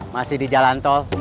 masih di jalan tol